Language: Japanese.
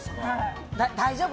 大丈夫。